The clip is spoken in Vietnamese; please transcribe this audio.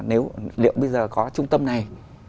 nếu liệu bây giờ có trung tâm này